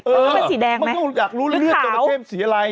เออมันต้องเป็นสีแดงไหมหรือขาวมันต้องอยากรู้เลือดจราเข้มสีอะไร